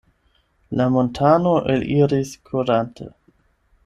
La montano eliris kurante.